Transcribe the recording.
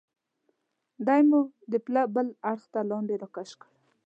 دی مو د پله بل اړخ ته لاندې را کش کړ.